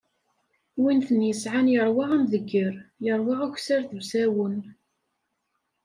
Wi ten-yesεan yeṛwa amdegger, yeṛwa akkessar d usawen.